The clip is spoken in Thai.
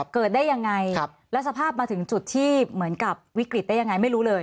เกิดได้ยังไงแล้วสภาพมาถึงจุดที่เหมือนกับวิกฤตได้ยังไงไม่รู้เลย